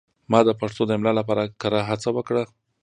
ما د پښتو د املا لپاره کره هڅه وکړه.